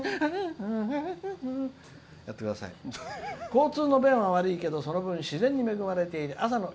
交通の便は悪いけどその分、自然に恵まれている朝の」。